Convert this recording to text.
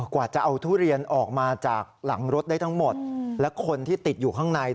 กว่าจะเอาทุเรียนออกมาจากหลังรถได้ทั้งหมดและคนที่ติดอยู่ข้างใน